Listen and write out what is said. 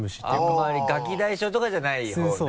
あんまりガキ大将とかじゃないほうね。